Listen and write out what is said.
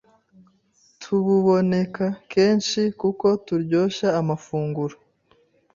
tububoneka kenshi kuko turyoshya amafunguro